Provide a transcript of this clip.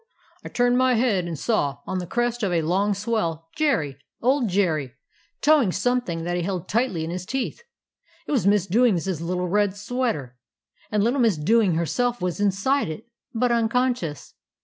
"I turned my head, and saw, on the crest of a long swell, Jerry, old Jerry, towing some thing that he held tightly in his teeth. It was Miss Dewing's little red sweater; and little Miss Dewing herself was inside it, but unconscious.